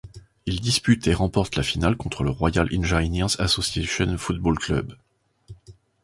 Il dispute et remporte la finale contre le Royal Engineers Association Football Club.